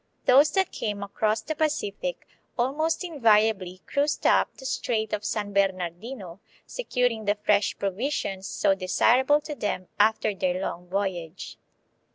Those that came across the Pacific almost invariably cruised up the Strait of San Bernardino, securing the fresh provisions so desir able to them after their long voyage.